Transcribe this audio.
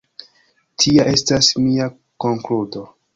Tia estas mia konkludo.